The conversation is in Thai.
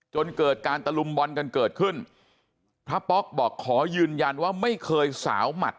จนเกิดการตะลุมบอลกันเกิดขึ้นพระป๊อกบอกขอยืนยันว่าไม่เคยสาวหมัด